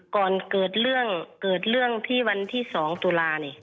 ก่อนเกิดเรื่องที่วันที่๒ตุลาคม